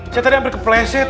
saya tadi hampir kepleset